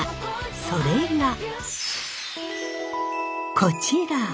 それがこちら。